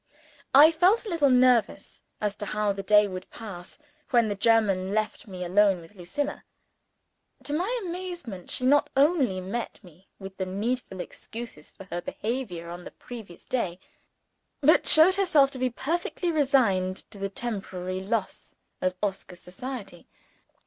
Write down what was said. I felt a little nervous as to how the day would pass when the German left me alone with Lucilla. To my amazement, she not only met me with the needful excuses for her behavior on the previous day, but showed herself to be perfectly resigned to the temporary loss of Oscar's society.